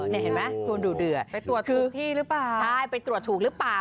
อ่อแน่แล้วคุณดูหรือเปล่าไปตรวจถูกหรือเปล่า